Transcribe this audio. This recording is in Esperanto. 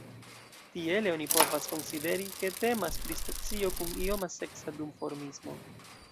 Tiele oni povas konsideri, ke temas pri specio kun ioma seksa duformismo.